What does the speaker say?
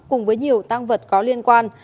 cùng với nhiều tăng vật có liên quan